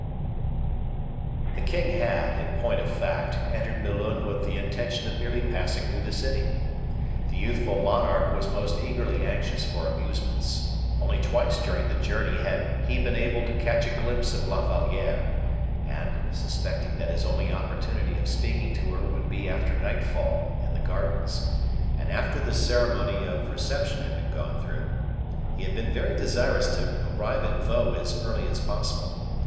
The king had, in point of fact, entered Melun with the intention of merely passing through the city. The youthful monarch was most eagerly anxious for amusements; only twice during the journey had he been able to catch a glimpse of La Valliere, and, suspecting that his only opportunity of speaking to her would be after nightfall, in the gardens, and after the ceremonial of reception had been gone through, he had been very desirous to arrive at Vaux as early as possible.